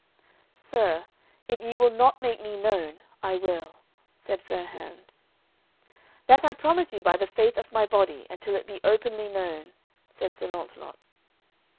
"Sir, if ye will not make me known, I will," said Fair hands. "That I promise you by the faith of my body, until it be openly known," said Sir Launcelot.